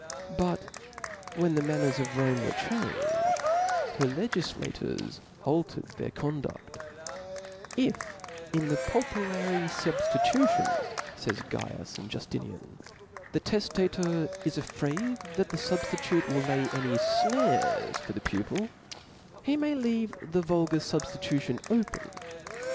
But when the manners of Rome were changed, her legiflators altered their («)lnfti <^o^duft. If. in the pupillary fubftitution, fay tut. Caius (") and Juftiniaq (*), the teftator is afraid, M *^*' that the fubftitute will lay any fnares for the pupil, ^*«^'* he may leave the vulgar • fubftitution open, and compile ^